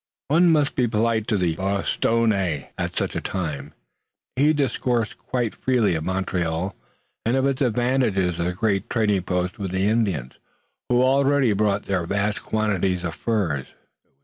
One must be polite to the Bostonnais at such a time. He discoursed quite freely of Montreal, and of its advantages as a great trading post with the Indians, who already brought there vast quantities of furs.